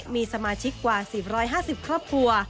มีสมาชิกกว่า๔๕๐ครอบครัว